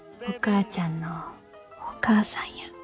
お母ちゃんのお母さんや。